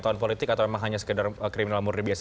tahun politik atau emang hanya sekedar kriminal murid biasa